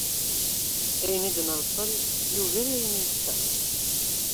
Ayen i d-nreṭṭel yugar ayen i nettaɣ.